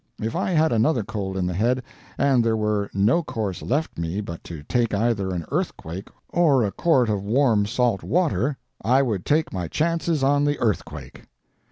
If I had another cold in the head, and there were no course left me but to take either an earthquake or a quart of warm saltwater, I would take my chances on the earthquake.